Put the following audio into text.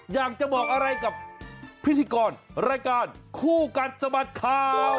อยากจะบอกอะไรกับพิธีกรรายการคู่กัดสะบัดข่าว